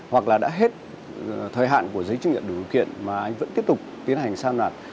hoặc là đã hết thời hạn của giấy chứng nhận đủ điều kiện mà anh vẫn tiếp tục tiến hành san nạt